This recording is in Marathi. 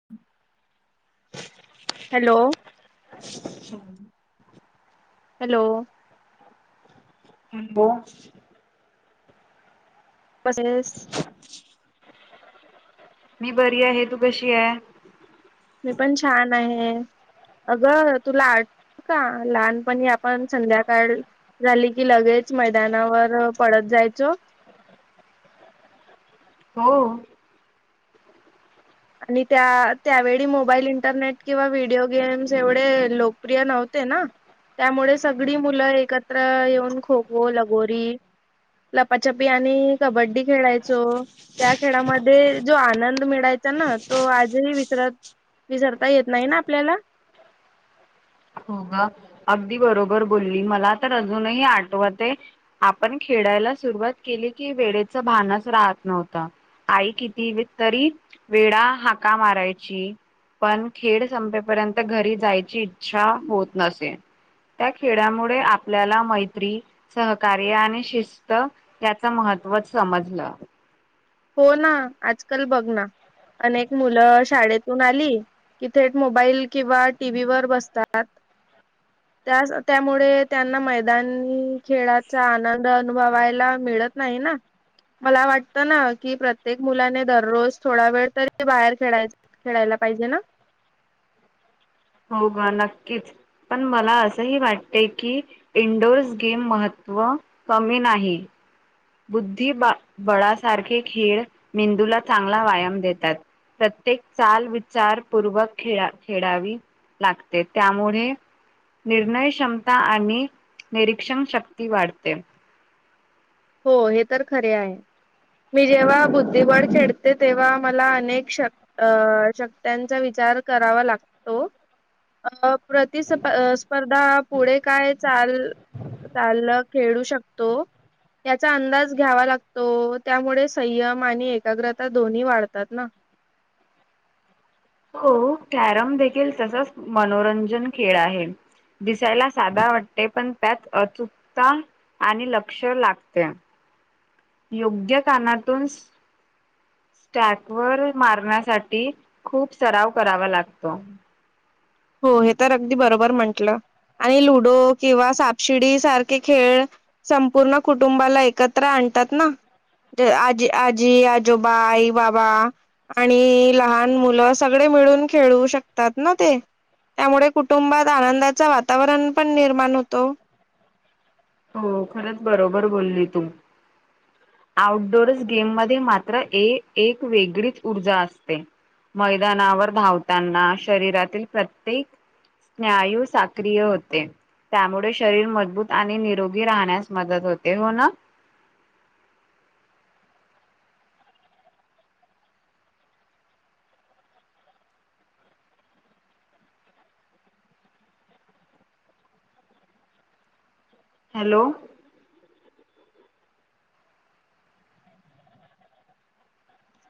[inaudible] हॅलो हम हॅलो ह ब पसेस मी बरी आहे तू कशी आहे मी पण छान आहे अगं तुला का लहानपणी आपण संध्याकाळ झाली की लगेच मैदानावर पडत जायचो हो आणि त्या त्यावेळी मोबाईल इंटरनेट किंवा व्हिडिओ गेम्स एवढे लोकप्रिय नव्हते ना त्यामुळे सगळी मुलं एकत्र येऊन खोको लगोरी लपाचपी आणि कबड्डी खेळायचो त्या खेळामध्ये जो आनंद मिळायचा ना तो आजही विसरत विसरता येत नाही ना आपल्याला हो ग अगदी बरोबर बोलली मला तर अजूनही आठवत आहे आपण खेळायला सुरुवात केली की वेळेच भानच राहत नव्हतं आई किती तरी वेळा हाका मारायची पण खेड संपेपर्यंत घरी जायची इच्छा होत नसे त्या खेळामुळे आपल्याला मैत्री सहकार्य आणि शिस्त याच महत्त्व समजलं हो ना आजकाल बघ ना अनेक मुलं शाळेतून आली किथेट मोबाईल किंवा टीव्हीवरर बसतात त्या त्यामुळे त्यांना मैदानी खेळाचा आनंद अनुभवायला मिळत नाही ना मला वाटतं ना कि प्रत्येक मुलाने दररोज थोडा वेळ तरी बाहेर खेळाय खेळायला पाहिजे ना हो गं नक्कीच पण मला असंही वाटते की इंडोर्स गेम महत्त्व कमी नाही बुद्धि ब बळासारखे खेळ मेंदूला चांगला व्यायाम देतात प्रत्येक चाल विचारपूर्वक खेळा खेळावी लागते त्यामुळे निर्णय क्षमता आणि निरीक्षण शक्ती वाढते हो हे तर खरे आहे मी जेव्हा बुद्धिबळ खेळते तेव्हा मला अनेक शक अ शक्त्यांचा विचार करावा लागतो अ प्रतिस् स्पर्धा पुढे काय चाल चालल खेळू शकतो याचा अंदाज घ्यावा लागतो त्यामुळे संयम आणि एकाग्रता दोन्ही वाढतात ना हो कॅरम देखील तसच मनोरंजन खेळ आहे दिसायला साध्या वाटते पण त्यात अचुकता आणि लक्ष लागते योग्य कानातून स्टॅक वर मारण्यासाठी खूप सराव करावा लागतो हो हे तर अगदी बरोबर म्हंटलं आणि लुडो किंवा सापशिडी सारखे खेळ संपूर्ण कुटुंबाला एकत्र आणतात ना ते आजी आजी आजो बाई बाबा आणि लहान मुलं सगळे मिळून खेळू शकतात ना ते त्यामुळे कुटुंबात आनंदाच वातावरण पण निर्माण होतो हो खरंच बरोबर बोलली तू आउटडोर गेम मध्ये मात्र एक वेगळीच ऊर्जा असते मैदानावर धावताना शरीरातील प्रत्येक यू साक्रीिय होते त्यामुळे शरीर मजबूत आणि दोघी राहण्यास मदत होते हो ना हॅलो